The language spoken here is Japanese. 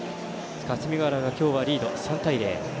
霞ヶ浦が今日はリード、３対０。